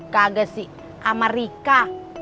gak sih sama rika